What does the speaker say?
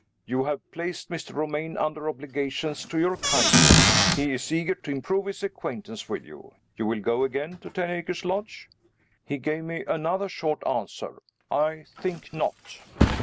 You have placed Mr. Romayne under obligations to your kindness he is eager to improve his acquaintance with you. You will go again to Ten Acres Lodge?" He gave me another short answer. "I think not."